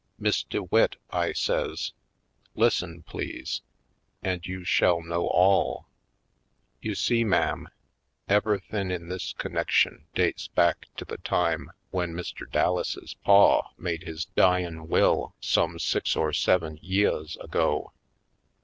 *'Miss DeWitt," I says, ^'lissen, please, an' you shell know all: You see, ma'am, ever'thin' in this connection dates back to the time w'en Mr. Dallases' paw made his dyin' will some six or seven yeahs ago.